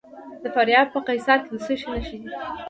د فاریاب په قیصار کې د څه شي نښې دي؟